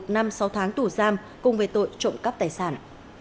một năm sáu tháng tù giam cùng về tội trộm cắp tài sản